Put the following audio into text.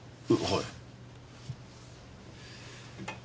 はい。